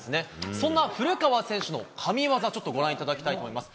そんな古川選手の神技、ちょっとご覧いただきたいと思います。